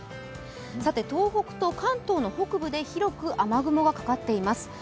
東北と関東の北部で広く雨雲がかかっています。